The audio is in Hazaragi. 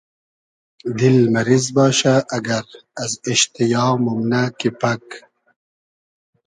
دیل مئریز باشۂ ائگئر از ایشتیا مومنۂ کی پئگ